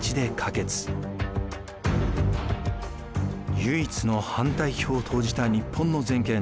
唯一の反対票を投じた日本の全権